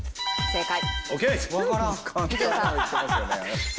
正解。